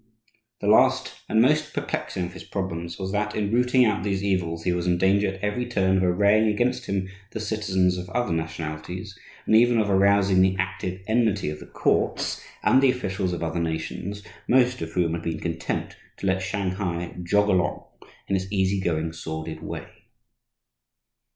The last and most perplexing of his problems was that in rooting out these evils he was in danger at every turn of arraying against him the citizens of other nationalities and even of arousing the active enmity of the courts and the officials of other nations, most of whom had been content to let Shanghai jog along in its easy going, sordid way.